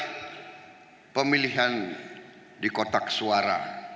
di ujungnya wujudnya adalah pemilihan di kotak suara